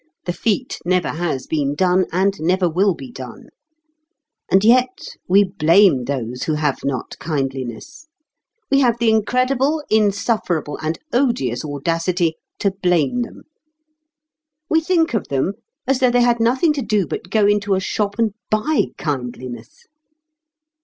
The feat never has been done, and never will be done. And yet we blame those who have not kindliness. We have the incredible, insufferable, and odious audacity to blame them. We think of them as though they had nothing to do but go into a shop and buy kindliness.